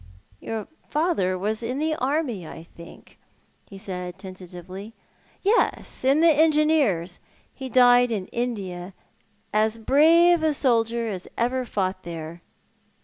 " Your father was in the army, I think," he said, tentatively. " Yes, in the Engineers. He died in India, as brave a soldier as ever fought there."